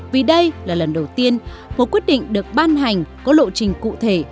vì đây là lần đầu tiên một quyết định được ban hành có lộ trình cụ thể